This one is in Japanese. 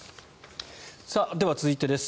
では、続いてです。